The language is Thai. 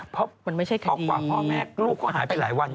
เพราะกว่าพ่อแม่ลูกเขาหายไปหลายวัน